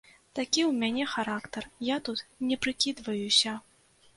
Такі ў мяне характар, я тут не прыкідваюся.